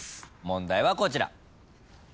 問題はこちら。